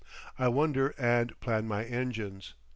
I wonder and plan my engines.